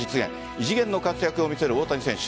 異次元の活躍を見せる大谷選手。